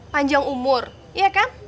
panjang umur iya kan